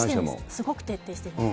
すごく徹底してるんです。